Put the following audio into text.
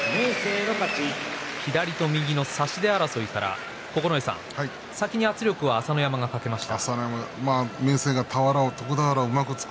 左と右の差し手争いから九重さん先に圧力は朝乃山かけました。